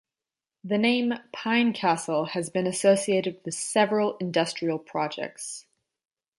The name "Pine Castle" has been associated with several industrial projects.